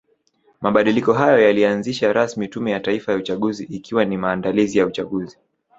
Mabadiliko hayo yalianzisha rasmi tume ya Taifa ya uchaguzi ikiwa ni maandalizi ya uchaguzi